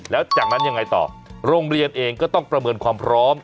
แล้วจากนั้นยังไงต่อโรงเรียนเองก็ต้องประเมินความพร้อม